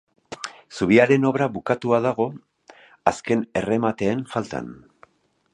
Zubiaren obra bukatua dago azken erremateen faltan.